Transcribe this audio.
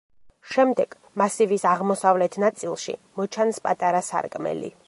შემდეგ, მასივის აღმოსავლეთ ნაწილში მოჩანს პატარა სარკმელი.